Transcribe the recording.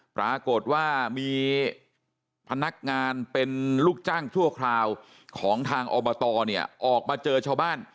ปรากฏว่ามีพนักงานเป็นลูกจ้างชั่วคราวของทางอบตเนี่ยออกมาเจอชาวบ้าน